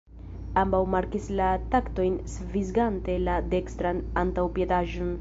Ambaŭ markis la taktojn svingante la dekstran antaŭpiedaĵon.